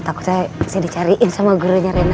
takut saya dicariin sama gurunya rena